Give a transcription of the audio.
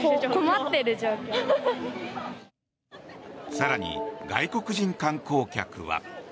更に外国人観光客は。